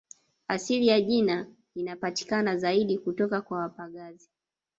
Asili ya jina inapatikana zaidi kutoka kwa wapagazi